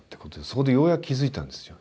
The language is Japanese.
そこでようやく気付いたんですよ。